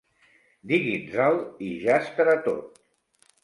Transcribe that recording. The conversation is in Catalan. Digui'ns-el i ja estarà tot.